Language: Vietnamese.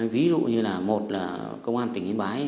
ví dụ như là một là công an tỉnh yên bái